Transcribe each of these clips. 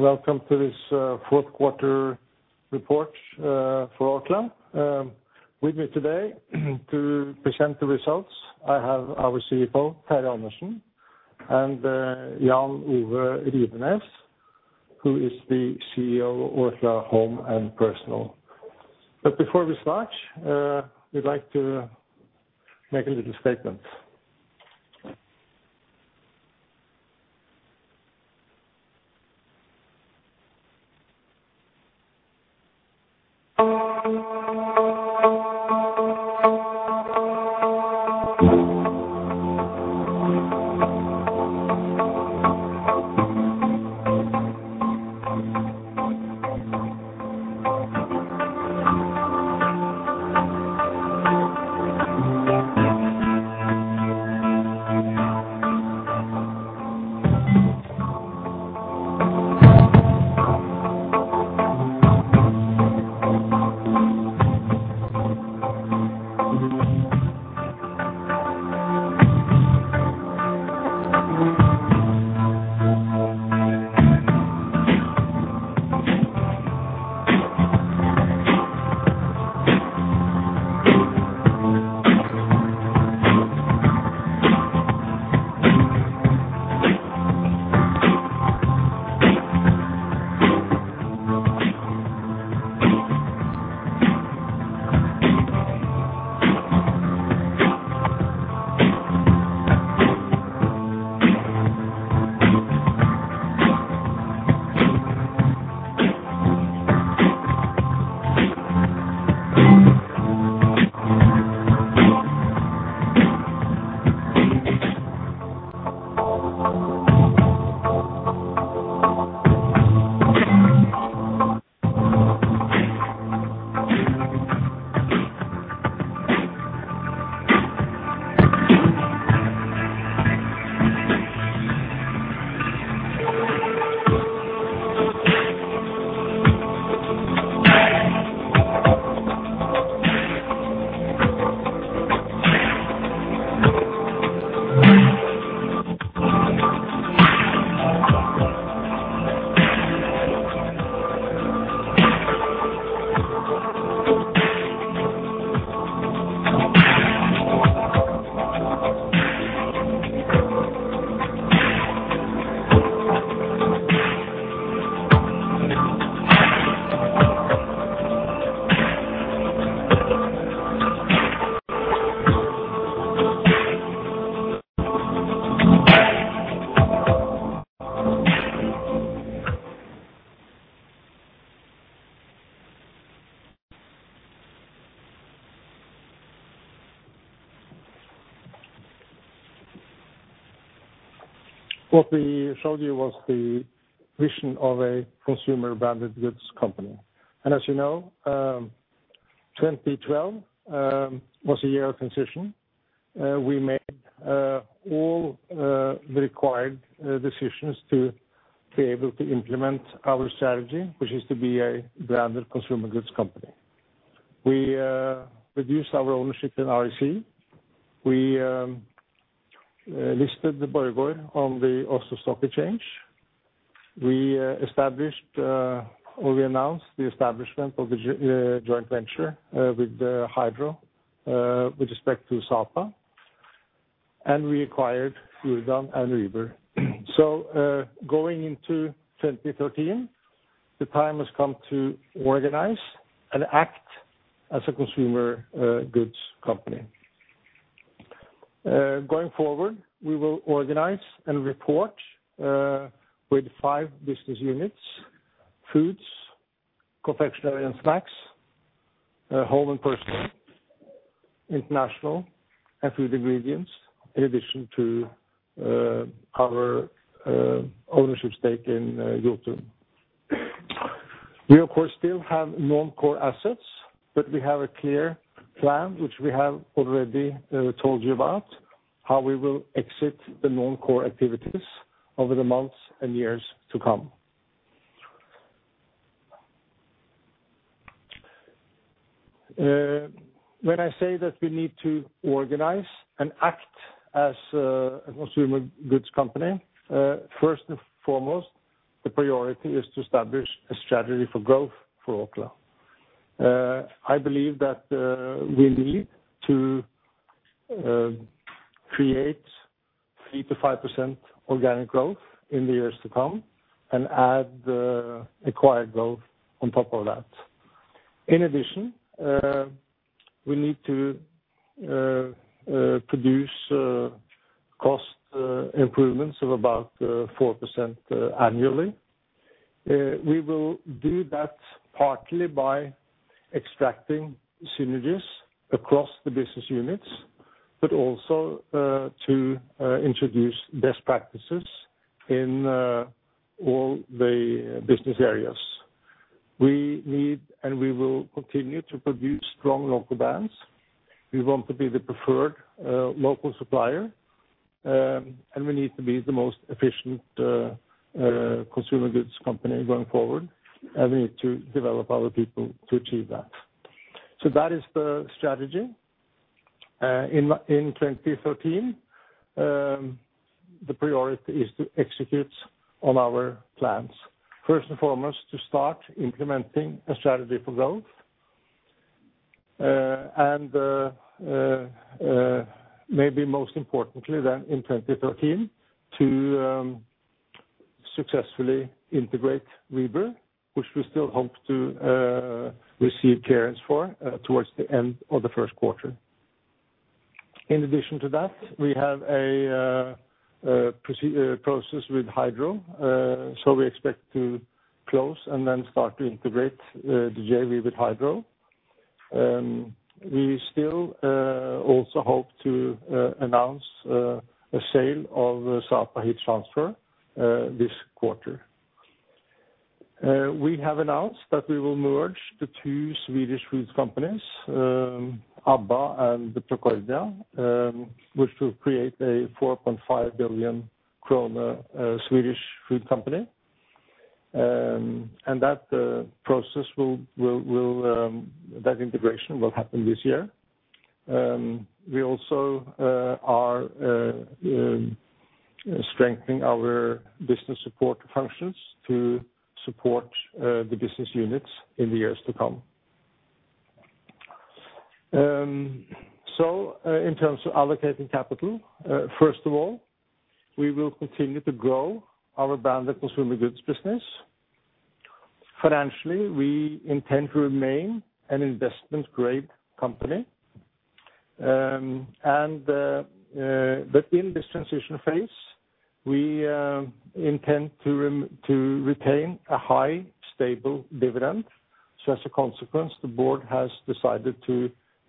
Good morning, welcome to this fourth quarter report for Orkla. With me today to present the results, I have our CFO, Terje Andersen, and Jan Ove Rivenes, who is the CEO, Orkla Home & Personal. Before we start, we'd like to make a little statement. What we showed you was the vision of a consumer branded goods company. As you know, 2022 was a year of transition. We made all the required decisions to be able to implement our strategy, which is to be a branded consumer goods company. We reduced our ownership in REC. We listed Borregaard on the Oslo Stock Exchange. We established or we announced the establishment of the joint venture with the Hydro with respect to Sapa, and we acquired Godan and Rieber & Søn. Going into 2023, the time has come to organize and act as a consumer goods company. Going forward, we will organize and report with five business units: Foods, Confectionery and Snacks, Home and Personal, International, and Food Ingredients, in addition to our ownership stake in Jotun. We, of course, still have non-core assets, but we have a clear plan, which we have already told you about, how we will exit the non-core activities over the months and years to come. When I say that we need to organize and act as a consumer goods company, first and foremost, the priority is to establish a strategy for growth for Orkla. I believe that we need to create 3%-5% organic growth in the years to come and add acquired growth on top of that. In addition, we need to produce cost improvements of about 4% annually. We will do that partly by extracting synergies across the business units, but also to introduce best practices in all the business areas. We need, and we will continue to produce strong local brands. We want to be the preferred local supplier, and we need to be the most efficient consumer goods company going forward, and we need to develop our people to achieve that. That is the strategy. In 2013, the priority is to execute on our plans. First and foremost, to start implementing a strategy for growth, and maybe most importantly, then in 2013, to successfully integrate Rieber & Søn, which we still hope to receive clearance for towards the end of the first quarter. In addition to that, we have a process with Hydro, so we expect to close and then start to integrate the JV with Hydro. We still also hope to announce a sale of Sapa Heat Transfer this quarter. An industrial investment company. It was founded in 1654 and is headquartered in Oslo, Norway. Orkla's main business areas are branded consumer goods, aluminum solutions, and financial investments.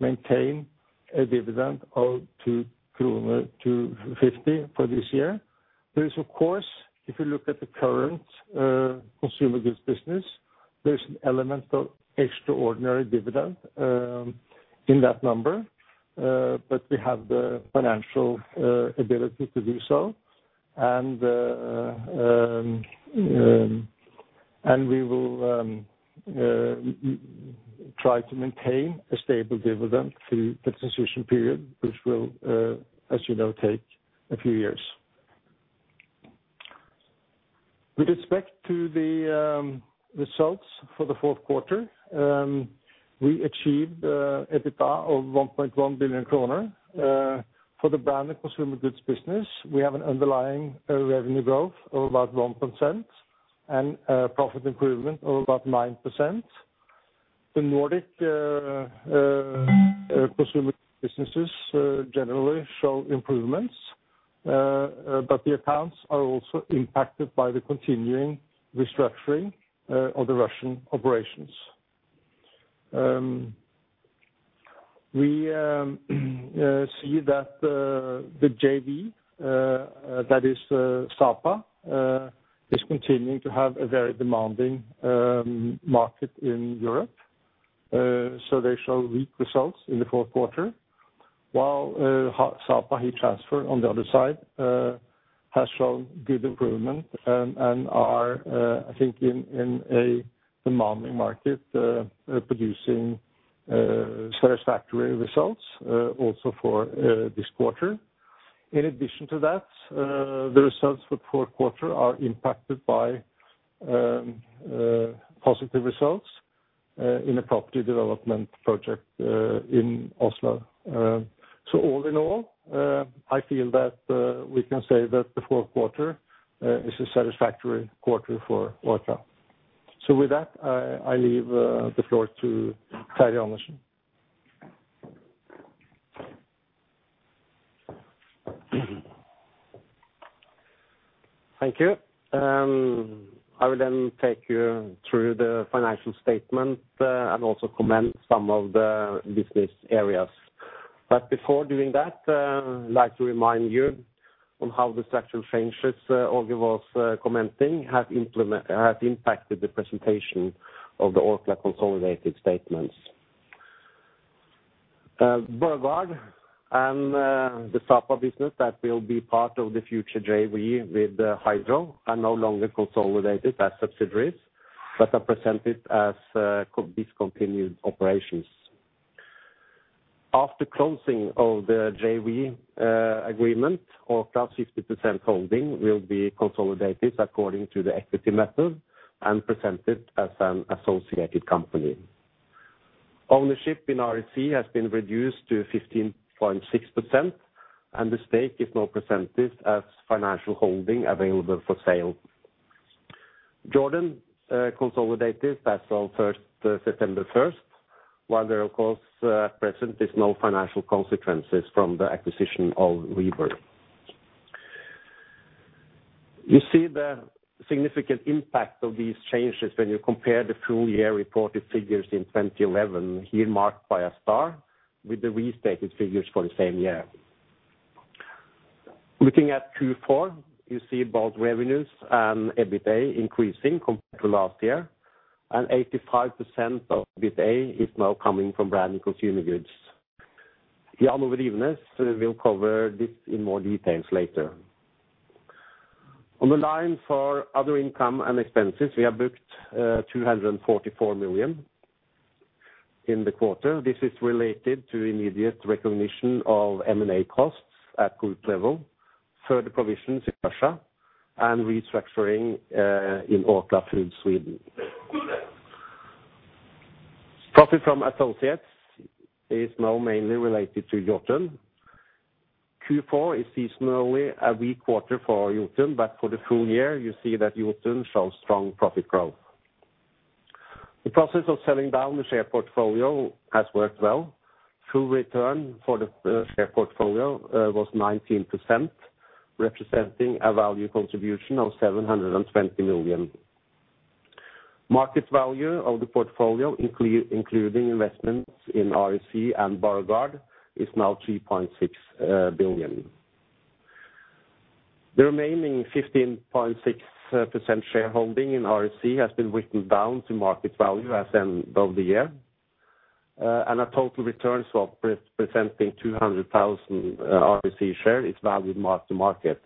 Some of Orkla's well-known brands include: * **Orkla Foods:** Stabburet, Nora, Idun, Felix, Abba, K-Salat, Beauvais, Hamé, Vitana, etc. * **Orkla Confectionery & Snacks:** Nidar, Sætre, KiMs, Polly, Göteborgs Kex, etc. * **Orkla Care:** Jordan, Pierre Robert, Define, Sunsilk, Lano, OMO, Jif, etc. * **Orkla Food Ingredients:** Credin, Odense Marcipan, Dragsbæk, etc. Orkla has a strong presence in the Nordic region, the Baltics, Central Europe, and India. The company is listed on the Oslo Stock Exchange There is, of course, if you look at the current consumer goods business, there's an element of extraordinary dividend in that number, but we have the financial ability to do so. We will try to maintain a stable dividend through the transition period, which will, as you know, take a few years. With respect to the results for the fourth quarter, we achieved EBITDA of 1.1 billion kroner. For the branded consumer goods business, we have an underlying revenue growth of about 1% and profit improvement of about 9%. The Nordic consumer businesses generally show improvements, but the accounts are also impacted by the continuing restructuring of the Russian operations. that is Sapa is continuing to have a very demanding market in Europe. So they show weak results in the fourth quarter, while Sapa Heat Transfer, on the other side, has shown good improvement and are, I think in a demanding market, producing satisfactory results also for this quarter. In addition to that, the results for fourth quarter are impacted by positive results in a property development project in Oslo. So all in all, I feel that we can say that the fourth quarter is a satisfactory quarter for Orkla. So with that, I leave the floor to Terje Andersen. Thank you. I will take you through the financial statement and also comment some of the business areas. Before doing that, I'd like to remind you on how the structural changes Åge was commenting have impacted the presentation of the Orkla consolidated statements. Borregaard and the Sapa business that will be part of the future JV with Hydro are no longer consolidated as subsidiaries, but are presented as discontinued operations. After closing of the JV agreement, Orkla's 50% holding will be consolidated according to the equity method and presented as an associated company. Ownership in REC has been reduced to 15.6%, and the stake is now presented as financial holding available for sale. Jordan consolidated as of September 1st, while there, of course, at present, is no financial consequences from the acquisition of Rieber. You see the significant impact of these changes when you compare the full year reported figures in 2011, here marked by a star, with the restated figures for the same year. Looking at Q4, you see both revenues and EBITA increasing compared to last year. 85% of EBITA is now coming from branded consumer goods. Jan Ove Rivenes will cover this in more details later. On the line for other income and expenses, we have booked 244 million in the quarter. This is related to immediate recognition of M&A costs at group level, further provisions in Russia, and restructuring in Orkla Foods, Sweden. Profit from associates is now mainly related to Jotun. Q4 is seasonally a weak quarter for Jotun. For the full year, you see that Jotun shows strong profit growth. The process of selling down the share portfolio has worked well. Full return for the share portfolio was 19%, representing a value contribution of 720 million. Market value of the portfolio, including investments in REC and Borregaard, is now 3.6 billion. The remaining 15.6% shareholding in REC has been written down to market value as end of the year, and a total returns of presenting 200,000 REC share is valued mark-to-market.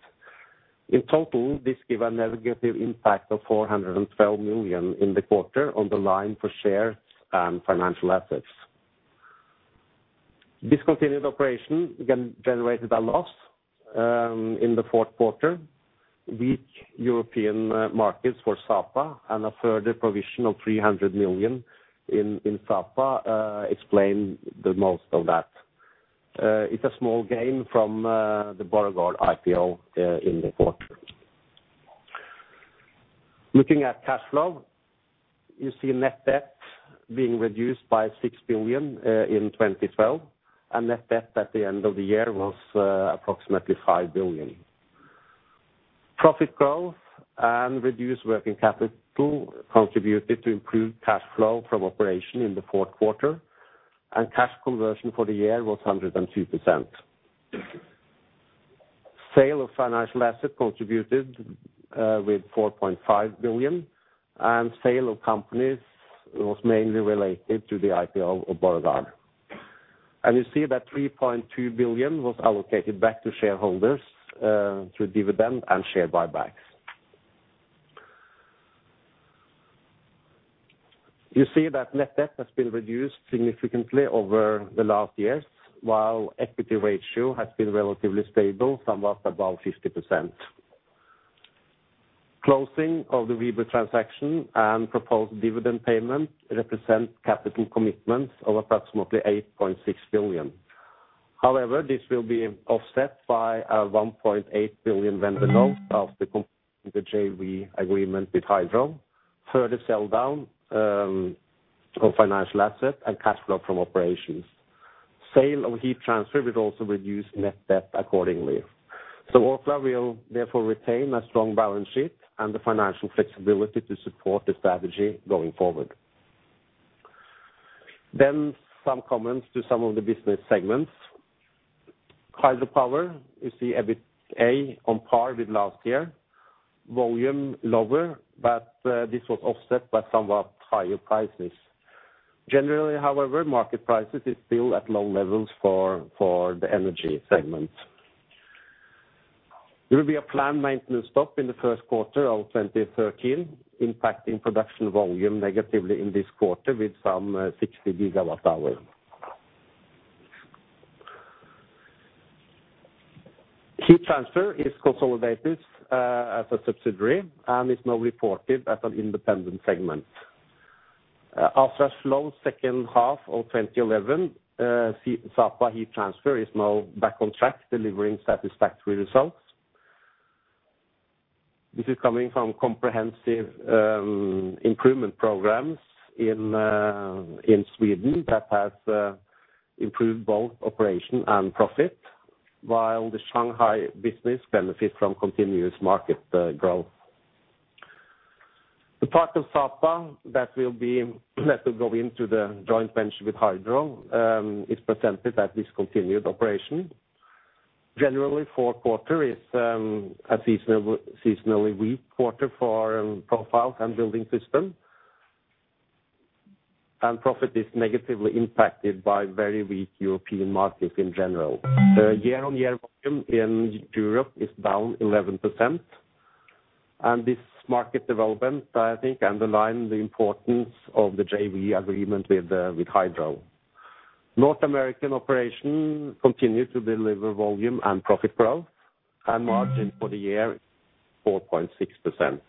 In total, this give a negative impact of 412 million in the quarter on the line for shares and financial assets. Discontinued operation generated a loss in the fourth quarter. Weak European markets for Sapa and a further provision of 300 million in Sapa explain the most of that. It's a small gain from the Borregaard IPO in the quarter. Looking at cash flow, you see net debt being reduced by 6 billion in 2012, and net debt at the end of the year was approximately 5 billion. Profit growth and reduced working capital contributed to improved cash flow from operation in the fourth quarter, and cash conversion for the year was 102%. Sale of financial asset contributed with 4.5 billion, and sale of companies was mainly related to the IPO of Borregaard. You see that 3.2 billion was allocated back to shareholders through dividend and share buybacks. You see that net debt has been reduced significantly over the last years, while equity ratio has been relatively stable, somewhat above 50%. Closing of the Rieber & Søn transaction and proposed dividend payment represent capital commitments of approximately 8.6 billion. This will be offset by a 1.8 billion vendor note of the JV agreement with Hydro, further sell down of financial assets and cash flow from operations. Sale of heat transfer will also reduce net debt accordingly. Orkla will therefore retain a strong balance sheet and the financial flexibility to support the strategy going forward. Some comments to some of the business segments. Hydropower, you see EBITA on par with last year. Volume lower, but this was offset by somewhat higher prices. Generally, however, market prices is still at low levels for the energy segment. There will be a planned maintenance stop in the first quarter of 2013, impacting production volume negatively in this quarter with some 60 gigawatt-hours. Sapa Heat Transfer is consolidated as a subsidiary and is now reported as an independent segment. After a slow second half of 2011, Sapa Heat Transfer is now back on track, delivering satisfactory results. This is coming from comprehensive improvement programs in Sweden that has improved both operation and profit, while the Shanghai business benefits from continuous market growth. The part of Sapa that will go into the joint venture with Norsk Hydro is presented at discontinued operations. Generally, fourth quarter is a seasonally weak quarter for our profile and building system. Profit is negatively impacted by very weak European market in general. The year-on-year volume in Europe is down 11%, and this market development, I think, underline the importance of the JV agreement with Hydro. North American operation continued to deliver volume and profit growth, and margin for the year, 4.6%.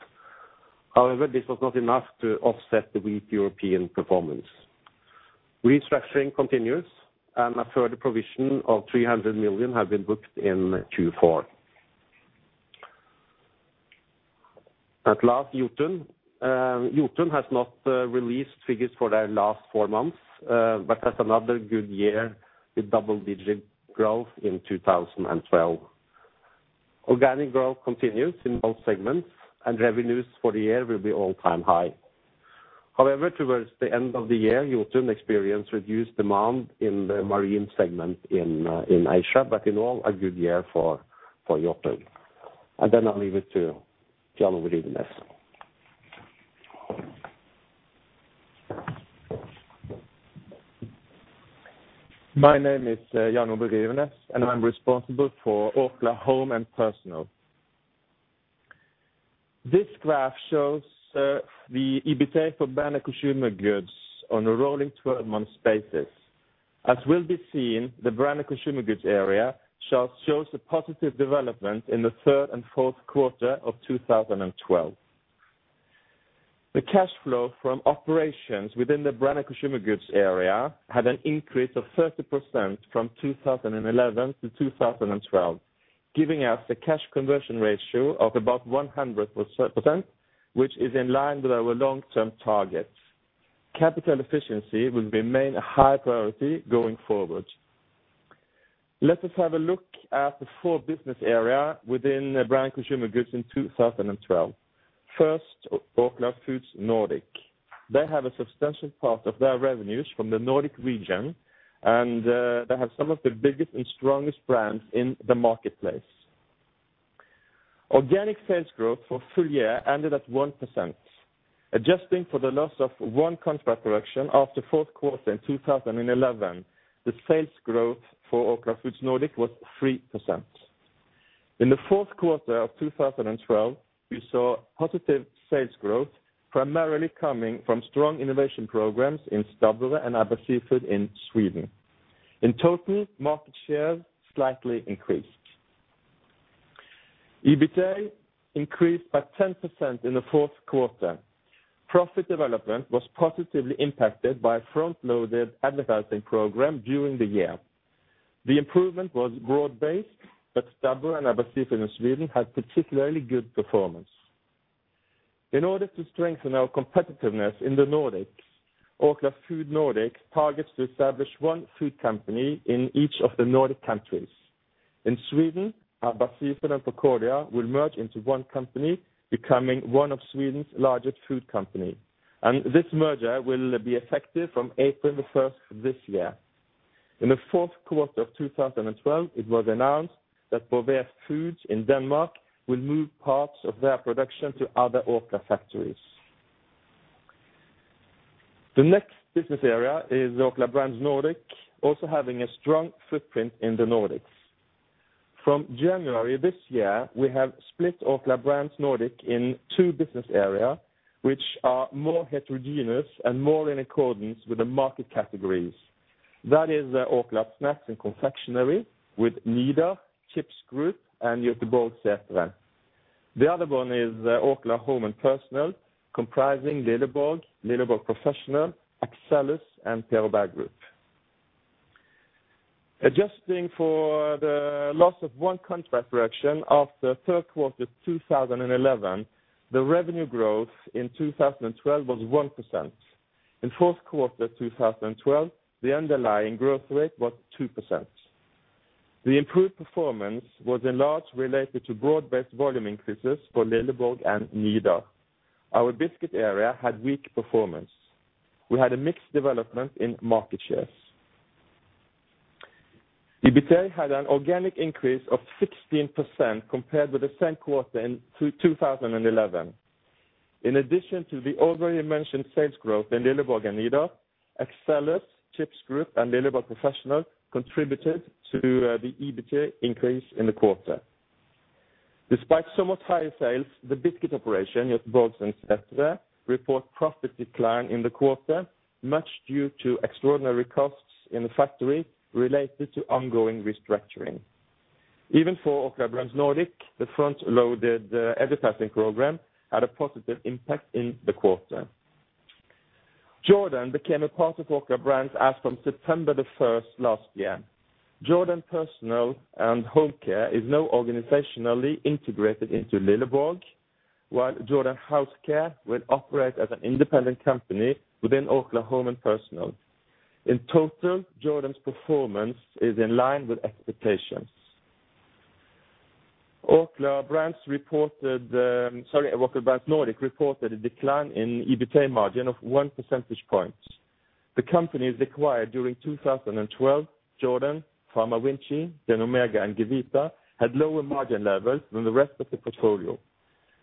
However, this was not enough to offset the weak European performance. Restructuring continues, and a further provision of 300 million have been booked in Q4. At last, Jotun. Jotun has not released figures for their last four months, but that's another good year with double-digit growth in 2012. Organic growth continues in both segments, and revenues for the year will be all-time high. However, towards the end of the year, Jotun experienced reduced demand in the marine segment in Asia, but in all, a good year for Jotun. I'll leave it to Jan Ove to the next. My name is Jan Ove Rivenes, and I'm responsible for Orkla Home & Personal. This graph shows the EBITA for brand consumer goods on a rolling 12-month basis. As we'll be seeing, the brand consumer goods area shall shows a positive development in the third and fourth quarter of 2012. The cash flow from operations within the brand consumer goods area had an increase of 30% from 2011 to 2012, giving us a cash conversion ratio of about 100%, which is in line with our long-term targets. Capital efficiency will remain a high priority going forward. Let us have a look at the 4 business area within the brand consumer goods in 2012. First, Orkla Foods Nordic. They have a substantial part of their revenues from the Nordic region, and they have some of the biggest and strongest brands in the marketplace. Organic sales growth for full year ended at 1%. Adjusting for the loss of one contract correction after fourth quarter in 2011, the sales growth for Orkla Foods Nordic was 3%. In the fourth quarter of 2012, we saw positive sales growth, primarily coming from strong innovation programs in Stabburet and Abba Seafood in Sweden. In total, market share slightly increased. EBITA increased by 10% in the fourth quarter. Profit development was positively impacted by a front-loaded advertising program during the year. The improvement was broad-based, but stable, and Abba Seafood in Sweden had particularly good performance. In order to strengthen our competitiveness in the Nordics, Orkla Foods Nordic targets to establish one food company in each of the Nordic countries. In Sweden, Abba Seafood and Procordia Food will merge into one company, becoming one of Sweden's largest food company. This merger will be effective from April the first this year. In the fourth quarter of 2012, it was announced that Beauvais Foods in Denmark will move parts of their production to other Orkla factories. The next business area is Orkla Brands Nordic, also having a strong footprint in the Nordics. From January this year, we have split Orkla Brands Nordic in two business area, which are more heterogeneous and more in accordance with the market categories. That is Orkla Snacks and Confectionery, with Nidar, Chips Group, and Göteborgs Kexfabrik. The other one is Orkla Home & Personal, comprising Lilleborg Professional, Axellus, and Pierre Robert Group. Adjusting for the loss of one contract correction after third quarter 2011, the revenue growth in 2012 was 1%. In fourth quarter 2012, the underlying growth rate was 2%. The improved performance was in large related to broad-based volume increases for Lilleborg and Nidar. Our biscuit area had weak performance. We had a mixed development in market shares. EBITA had an organic increase of 16% compared with the same quarter in 2011. In addition to the already mentioned sales growth in Lilleborg and Nidar, Axellus, Chips Group, and Lilleborg Professional contributed to the EBITA increase in the quarter. Despite somewhat higher sales, the biscuit operation at Göteborgs Kexfabrik report profit decline in the quarter, much due to extraordinary costs in the factory related to ongoing restructuring. Even for Orkla Brands Nordic, the front-loaded advertising program had a positive impact in the quarter. Jordan became a part of Orkla Brands as from September the first last year. Jordan Personal and Home Care is now organizationally integrated into Lilleborg, while Jordan House Care will operate as an independent company within Orkla Home & Personal. In total, Jordan's performance is in line with expectations. Orkla Brands reported, Orkla Brands Nordic reported a decline in EBITA margin of 1 percentage point. The company is acquired during 2012. Jordan, PharmaVinci, Denomega, and Cevita had lower margin levels than the rest of the portfolio.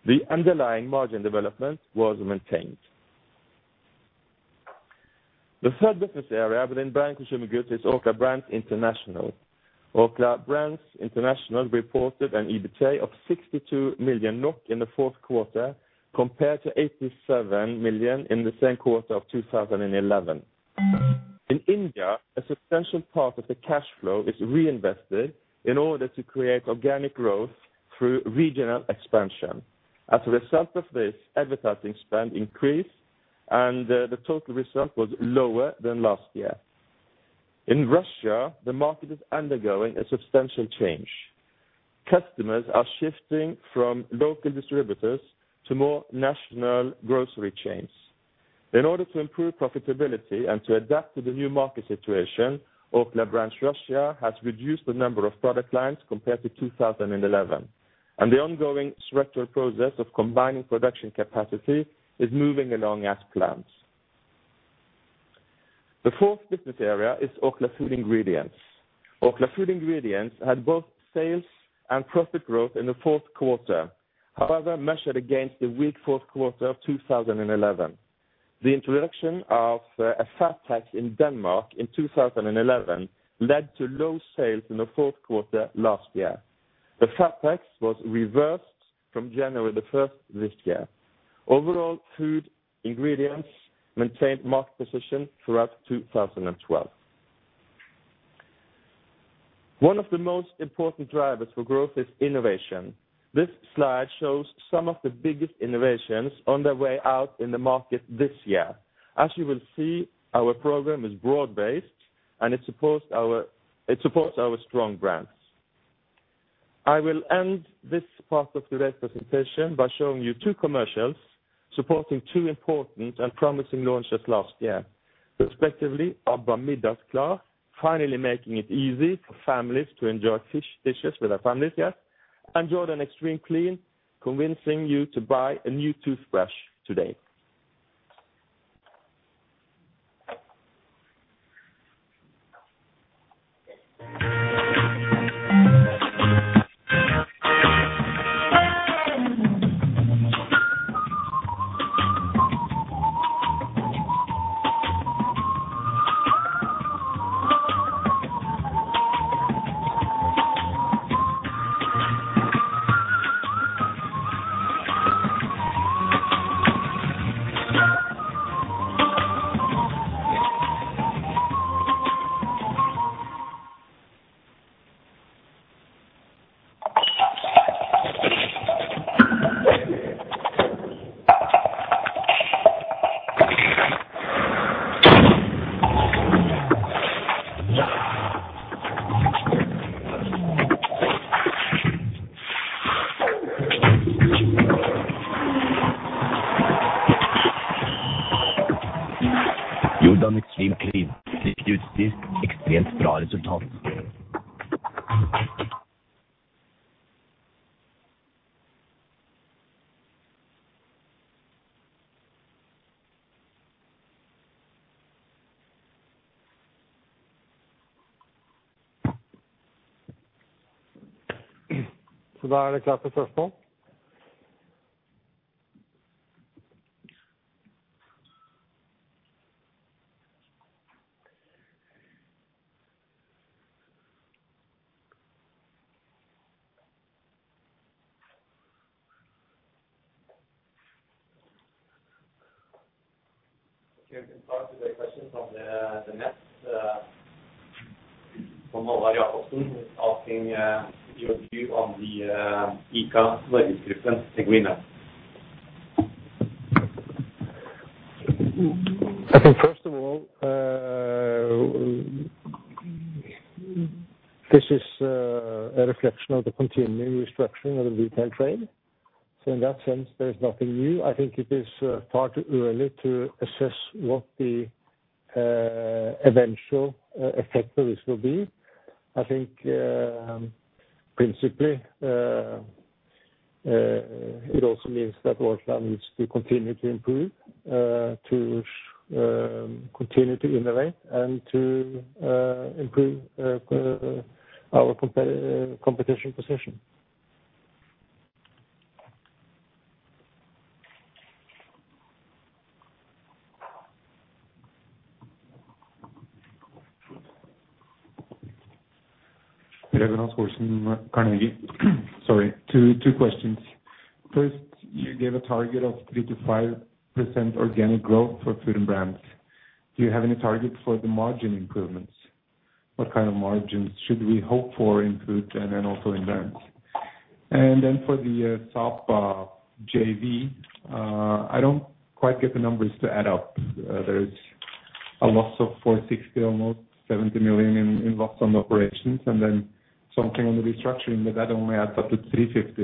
The underlying margin development was maintained. The third business area within brand consumer goods is Orkla Brands International. Orkla Brands International reported an EBITA of 62 million NOK in the fourth quarter, compared to 87 million in the same quarter of 2011. In India, a substantial part of the cash flow is reinvested in order to create organic growth through regional expansion. As a result of this, advertising spend increased, and the total result was lower than last year. In Russia, the market is undergoing a substantial change. Customers are shifting from local distributors to more national grocery chains. In order to improve profitability and to adapt to the new market situation, Orkla Brands Russia has reduced the number of product lines compared to 2011. The ongoing structural process of combining production capacity is moving along as planned. The fourth business area is Orkla Food Ingredients. Orkla Food Ingredients had both sales and profit growth in the fourth quarter, however, measured against the weak fourth quarter of 2011. The introduction of a fat tax in Denmark in 2011 led to low sales in the fourth quarter last year. The fat tax was reversed from January the first this year. Overall, food ingredients maintained market position throughout 2012. One of the most important drivers for growth is innovation. This slide shows some of the biggest innovations on their way out in the market this year. As you will see, our program is broad-based, and it supports our strong brands. I will end this part of the presentation by showing you two commercials, supporting two important and promising launches last year. Respectively, Abba Middagsklart, finally making it easy for families to enjoy fish dishes with their families here, and Jordan Expert Clean, convincing you to buy a new toothbrush today. We can start with the questions on the next from Olav H. Jacobsen, asking your view on the ICA wage group in Segwina. I think, first of all, this is a reflection of the continuing restructuring of the retail trade. In that sense, there's nothing new. I think it is far too early to assess what the eventual effect of this will be. I think, principally, it also means that Orkla needs to continue to improve, to continue to innovate and to improve our competition position. Preben Rasch-Olsen, Carnegie. Sorry, two questions. First, you gave a target of 3%-5% organic growth for food and brands. Do you have any targets for the margin improvements? What kind of margins should we hope for in food and then also in brands? Then for the Sapa JV, I don't quite get the numbers to add up. There's a loss of 460, almost 70 million in loss on operations, then something on the restructuring, but that only adds up to 350.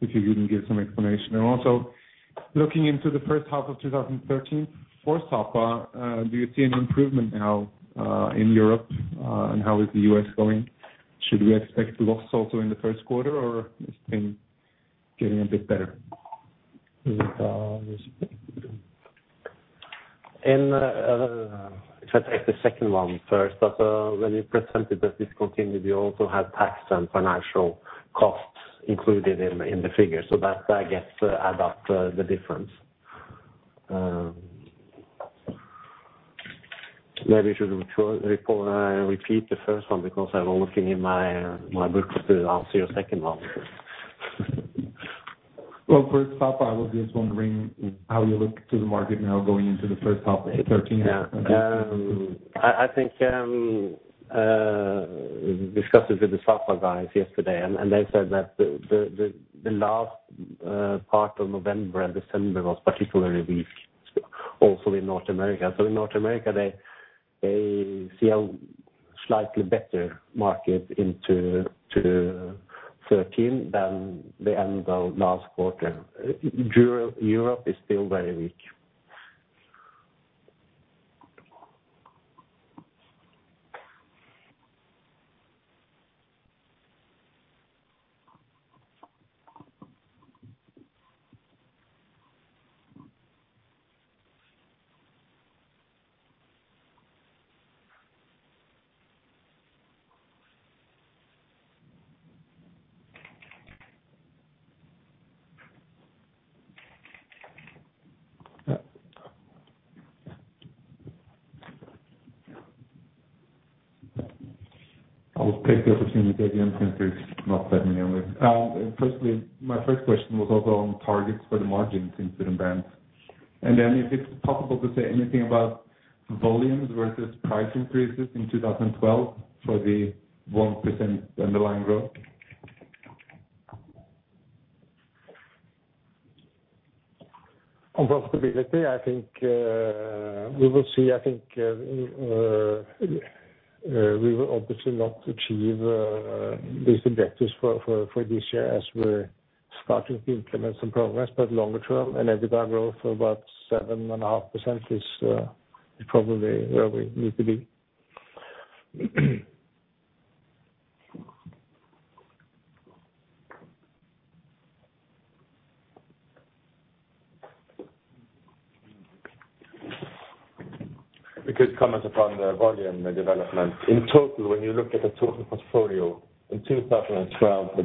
If you can give some explanation. Also, looking into the first half of 2013, for Sapa, do you see any improvement now in Europe? How is the U.S. going? Should we expect loss also in the first quarter, or is it getting a bit better? If I take the second one first, when you presented the discontinued, you also had tax and financial costs included in the figure. That, I guess, add up the difference. Maybe you should repeat the first one, because I'm only looking in my book to answer your second one. Well, for Sapa, I was just wondering how you look to the market now going into the first half of 2013. Yeah. I think discussed it with the Sapa guys yesterday, and they said that the last part of November and December was particularly weak, also in North America. In North America, they see a slightly better market into 13 than the end of last quarter. Europe is still very weak. I'll take the opportunity again, since there's not that many only. Firstly, my first question was also on targets for the margins in food and brands. If it's possible to say anything about volumes versus price increases in 2012 for the 1% underlying growth. On profitability, I think, we will see. I think, we will obviously not achieve, these objectives for this year as we're starting to implement some progress. Longer term, and EBITDA growth for about 7.5% is probably where we need to be. We could comment upon the volume, the development. In total, when you look at the total portfolio in 2012.